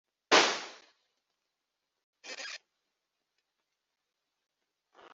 nti “byira mbyiruke”